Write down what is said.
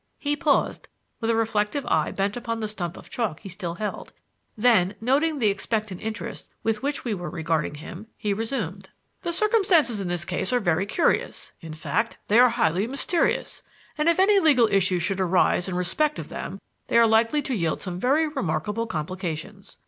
'" He paused with a reflective eye bent upon the stump of chalk he still held; then, noting the expectant interest with which we were regarding him, he resumed: "The circumstances in this case are very curious; in fact, they are highly mysterious; and if any legal issues should arise in respect of them, they are likely to yield some very remarkable complications.